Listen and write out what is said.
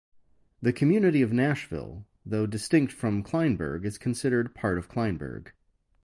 The community of Nashville, though distinct from Kleinburg, is considered part of Kleinburg.